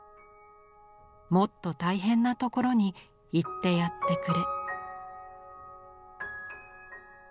「もっと大変な所に行ってやってくれ」。